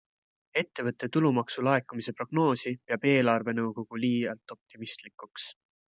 Ettevõtte tulumaksu laekumise prognoosi peab eelarvenõukogu liialt optimistlikuks.